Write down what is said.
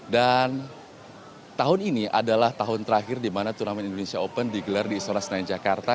dan tahun ini adalah tahun terakhir dimana turnamen indonesia open digelar di istora senayan jakarta